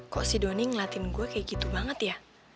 kok si donny ngelatih gue kayak gitu banget ya